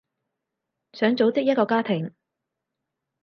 想組織一個家庭